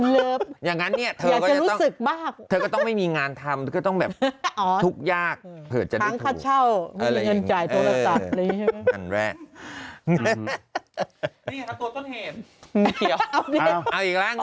หลายคนบอกแหมงูมันใกล้จะตายหรือเปล่า